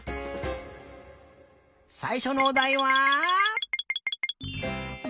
さいしょのおだいは。